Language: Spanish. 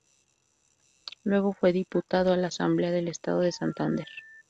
Luego fue diputado a la Asamblea del Estado de Santander.